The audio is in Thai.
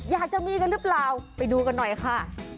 อยากจะมีกันหรือเปล่าไปดูกันหน่อยค่ะ